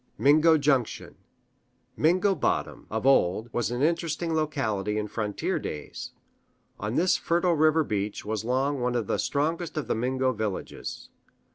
Mingo Junction "Mingo Bottom" of old was an interesting locality in frontier days. On this fertile river beach was long one of the strongest of the Mingo villages.